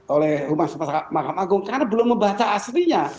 oleh mahkamah agung karena belum membaca aslinya